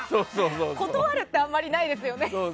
断るってあんまりないですよね。